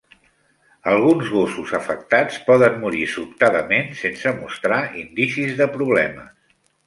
Alguns gossos afectats poden morir sobtadament sense mostrar indicis de problemes.